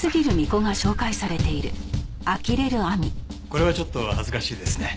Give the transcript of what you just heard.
これはちょっと恥ずかしいですね。